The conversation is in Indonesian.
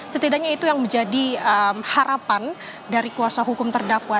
setidaknya itu yang menjadi harapan dari kuasa hukum terdakwa